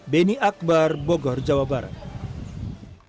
beni akbar bogor jawa barat